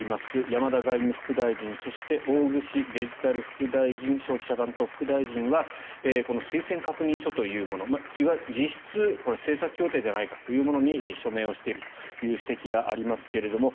山田外務副大臣そして、大串デジタル副大臣消費者担当副大臣はこの推薦確認書というもの実質、政策協定じゃないかというものに署名をしているという指摘がありますけれども